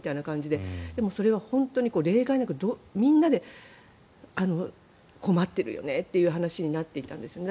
でも、それは例外なくみんなで困っているよねという話になっていたんですね。